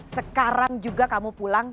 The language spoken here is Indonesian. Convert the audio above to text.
sekarang juga kamu pulang